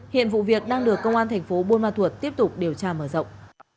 hiện vụ việc đang được công an tp bôn ma thuật tiếp tục điều tra mở rộng